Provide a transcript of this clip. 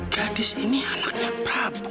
gadis ini anaknya prabu